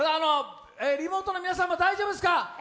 リモートの皆さんも大丈夫ですか。